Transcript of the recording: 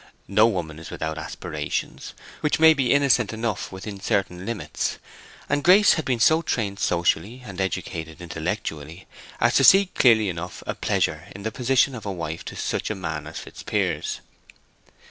No woman is without aspirations, which may be innocent enough within certain limits; and Grace had been so trained socially, and educated intellectually, as to see clearly enough a pleasure in the position of wife to such a man as Fitzpiers.